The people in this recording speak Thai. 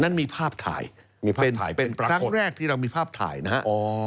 นั้นมีภาพถ่ายมีภาพเป็นครั้งแรกที่เรามีภาพถ่ายนะฮะ